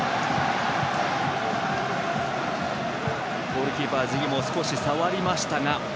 ゴールキーパー、ジギも少し触りましたが。